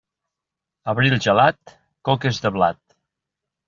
Abril gelat, coques de blat.